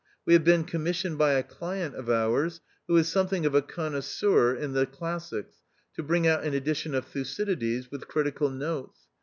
We have been commissioned by a client of ours, who is something of a connoisseur in the classics, to bring out an edition of Thucy dides, with critical notes.